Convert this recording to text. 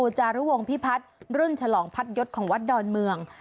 จารุวงพิพัฒน์รุ่นฉลองพัดยศของวัดดอนเมือง